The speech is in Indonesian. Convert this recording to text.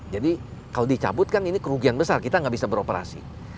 kalau dicabut kan ini kerugian besar kita nggak bisa beroperasi